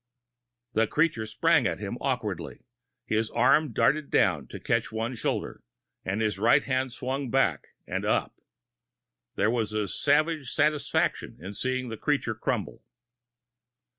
The creature sprang at him awkwardly. His arm darted down to catch one shoulder, and his right hand swung back and up. There was a savage satisfaction in seeing the creature crumple.